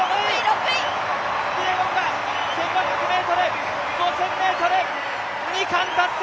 キピエゴンが１５００ｍ、５０００ｍ２冠達成！